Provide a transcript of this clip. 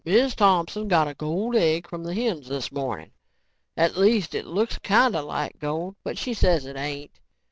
Miz Thompson got a gold egg from the hens this morning. At least, it looks kinda like gold but she says it ain't.